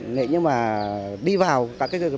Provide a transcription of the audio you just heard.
thứ ba là không đi vào các khu vực vắng